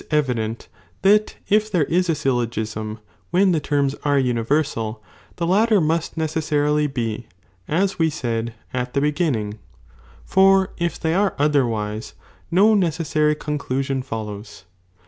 9 evident, that if there is a syllogism when the 8 are universaJ, the latter must necessaiily be, as we said M the beginning,' for if they are otherwise, no necessary (con clusion) follows.